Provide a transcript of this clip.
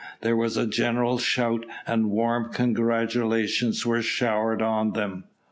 There was a general shout, and warm congratulations were showered on them.